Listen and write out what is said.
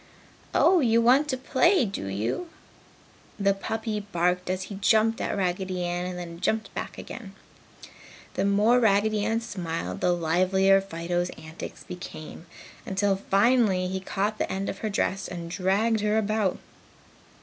"Oh, you want to play, do you?" the puppy dog barked, as he jumped at Raggedy Ann and then jumped back again. The more Raggedy Ann smiled, the livelier Fido's antics became, until finally he caught the end of her dress and dragged her about.